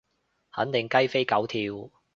肯定雞飛狗跳